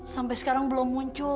sampai sekarang belum muncul